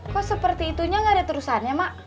kok seperti itunya gak ada terusannya ma